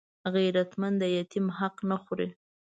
غیرتمند د یتیم حق نه خوړوي